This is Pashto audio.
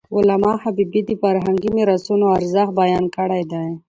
علامه حبيبي د فرهنګي میراثونو ارزښت بیان کړی دی.